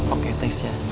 oke thanks ya